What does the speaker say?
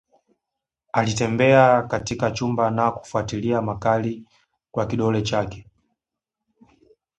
Alitembea katika chumba na kufuatilia makali kwa kidole chake